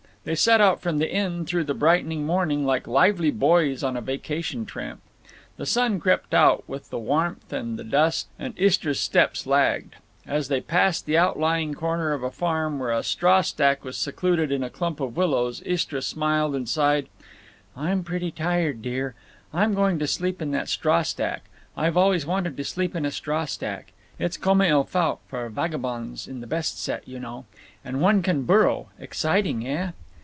They set out from the inn through the brightening morning like lively boys on a vacation tramp. The sun crept out, with the warmth and the dust, and Istra's steps lagged. As they passed the outlying corner of a farm where a straw stack was secluded in a clump of willows Istra smiled and sighed: "I'm pretty tired, dear. I'm going to sleep in that straw stack. I've always wanted to sleep in a straw stack. It's comme il faut for vagabonds in the best set, you know. And one can burrow. Exciting, eh?"